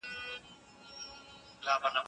په همدې ډول، د جمهوریت نظام د سقوط پر مهال،